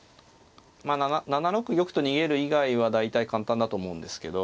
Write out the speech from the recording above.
まあ７六玉と逃げる以外は大体簡単だと思うんですけど。